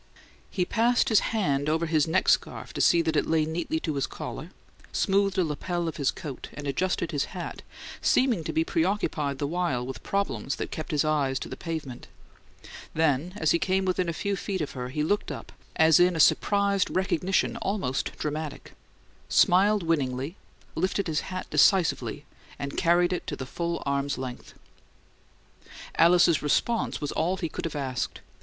He passed his hand over his neck scarf to see that it lay neatly to his collar, smoothed a lapel of his coat, and adjusted his hat, seeming to be preoccupied the while with problems that kept his eyes to the pavement; then, as he came within a few feet of her, he looked up, as in a surprised recognition almost dramatic, smiled winningly, lifted his hat decisively, and carried it to the full arm's length. Alice's response was all he could have asked.